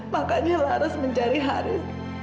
makanya laras mencari haris